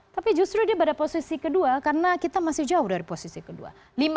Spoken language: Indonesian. tapi justru dia pada posisi kedua karena kita masih jauh dari posisi kedua